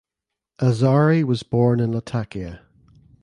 Azhari was born in Latakia.